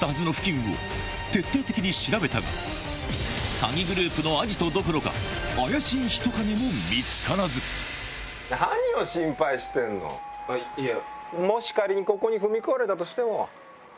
詐欺グループのアジトどころか怪しい人影も見つからずあっいや。